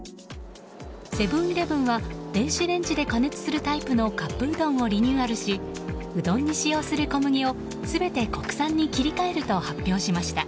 セブン‐イレブンは電子レンジで加熱するタイプのカップうどんをリニューアルしうどんに使用する小麦を全て国産に切り替えると発表しました。